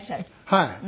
はい。